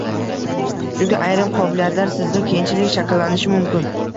Chunki ayrim qobiliyatlar sizda keyinchalik shakllanishi mumkin.